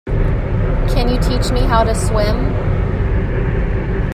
Can you teach me how to swim?